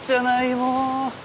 もう。